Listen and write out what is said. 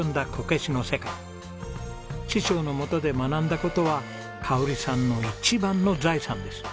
師匠のもとで学んだ事は香さんの一番の財産です。